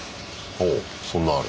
ほうそんなんある。